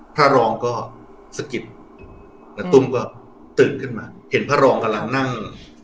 พระรองก็สะกิดณตุ้มก็ตื่นขึ้นมาเห็นพระรองกำลังนั่ง